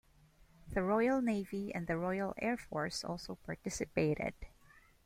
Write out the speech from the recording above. The Royal Navy and the Royal Air Force also participated.